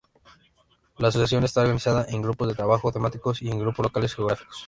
La asociación está organizada en grupos de trabajo temáticos y en grupos locales geográficos.